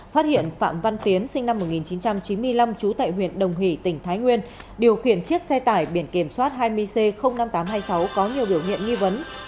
phát hiện phạm văn tiến sinh năm một nghìn chín trăm chín mươi năm trú tại huyện đồng hỷ tỉnh thái nguyên điều khiển chiếc xe tải biển kiểm soát hai mươi c năm nghìn tám trăm hai mươi sáu có nhiều biểu hiện nghi vấn